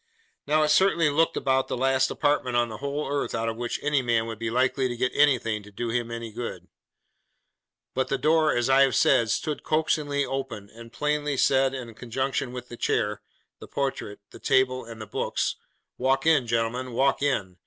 Now, it certainly looked about the last apartment on the whole earth out of which any man would be likely to get anything to do him good. But the door, as I have said, stood coaxingly open, and plainly said in conjunction with the chair, the portrait, the table, and the books, 'Walk in, gentlemen, walk in!